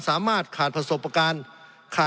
สงบจนจะตายหมดแล้วครับ